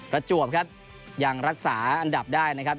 ประจวบครับยังรักษาอันดับได้นะครับ